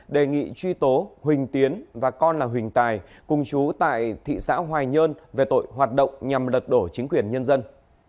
đề nghị truy tố huỳnh tiến và con là huỳnh tài cùng chú tại thị xã hoài nhơn về tội hoạt động nhằm lật đổ chính quyền nhân dân